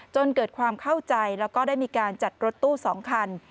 จนเกิดความเข้าใจแล้วก็ได้มีการจัดรถตู้๒คัน